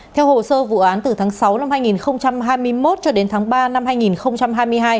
theo hồ sơ vụ án từ tháng sáu năm hai nghìn hai mươi một cho đến tháng ba năm hai nghìn hai mươi hai